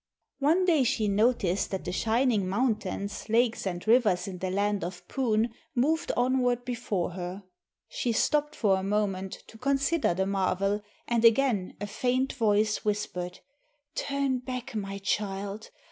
One day she noticed that the shining mountains, lakes, and rivers in the land of Poon moved onward before her. She stopped for a moment to consider the marvel and again a faint voice whispered, "Turn back, my child!